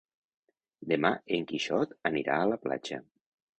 Demà en Quixot anirà a la platja.